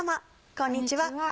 こんにちは。